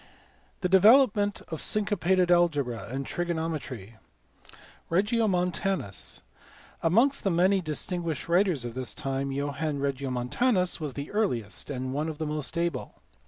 The development of syncopated algebra and trigonometry. Regiomontanus*. Amongst the many distinguished writers of this time Johann Regiomontanus was the earliest and one of the most able.